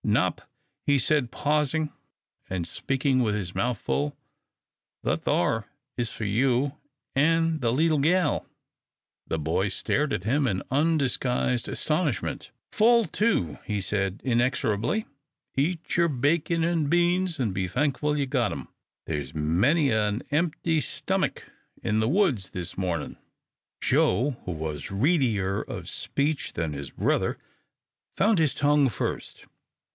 "Nop," he said, pausing, and speaking with his mouth full. "That thar is for you an' the leetle gal." The boys stared at him in undisguised astonishment. "Fall to," he said, inexorably, "eat your bacon and beans, an' be thankful you've got 'em. There's many an empty stummick in the woods this mornin'." Joe, who was readier of speech than his brother, found his tongue first.